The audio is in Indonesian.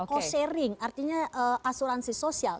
co sharing artinya asuransi sosial